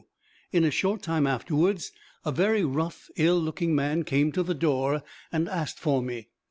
in a short time afterwards, a very rough, ill looking man came to the door and asked for me.